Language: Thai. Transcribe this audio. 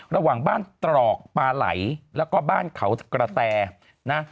ระหว่างบ้านตรอกปลาไหลแล้วก็บ้านเขากระแตนะ